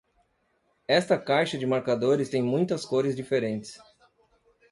Esta caixa de marcadores tem muitas cores diferentes.